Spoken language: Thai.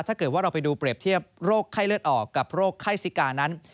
ถ้าเกิดว่าเราไปดูเปรียบเทียบโรคไข้เลือดออกกับโรคไข้ซิกานั้น